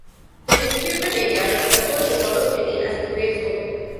The disputed area is referred to colloquially as the Grey Zone.